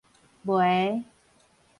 糜